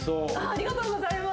ありがとうございます。